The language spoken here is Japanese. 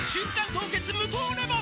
凍結無糖レモン」